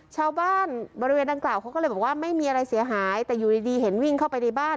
ชาวบ้านบริเวณดังกล่าวเขาก็เลยบอกว่าไม่มีอะไรเสียหายแต่อยู่ดีเห็นวิ่งเข้าไปในบ้าน